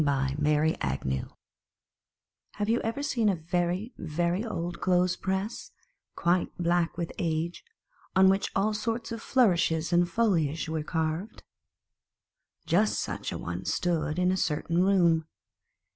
104 (Tiff unto AYE you ever seen a very, very old clothespress, quite black with age, on which all sorts of flourishes and foliage were carved ? Just such a one stood in a certain room.